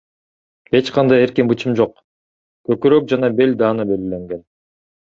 Эч кандай эркин бычым жок, көкүрөк жана бел даана белгиленген.